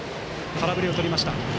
空振りをとりました。